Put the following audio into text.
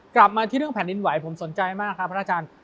กลับมาที่เรื่องแผ่นดินไหวผมสนใจมากครับพระอาจารย์